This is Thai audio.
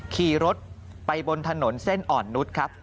ขี่รถไปบนถนนเส้นอ่อนนุษย์ครับ